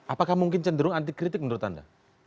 apakah mungkin cenderung anti kritik menurut anda